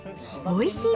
おいしい？